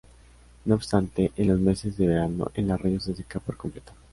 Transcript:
No obstante, en los meses de verano, el arroyo se seca por completo.